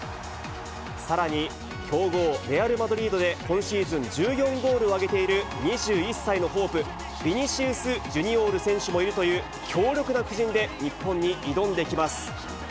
さらに強豪、レアル・マドリードで今シーズン１４ゴールを挙げている２１歳のホープ、ビニシウス・ジュニオール選手もいるという、強力な布陣で日本に挑んできます。